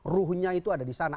ruhnya itu ada di sana